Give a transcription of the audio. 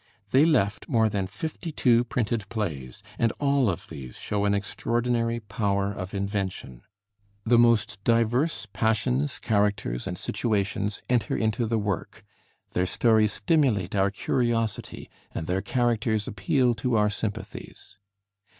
They left more than fifty two printed plays, and all of these show an extraordinary power of invention; the most diverse passions, characters, and situations enter into the work, their stories stimulate our curiosity, and their characters appeal to our sympathies.